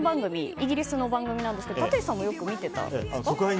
イギリスの番組ですが立石さんもよく見ていたんですか？